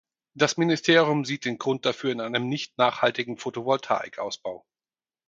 Das Ministerium sieht den Grund dafür in einem nicht nachhaltigen Photovoltaik-Ausbau.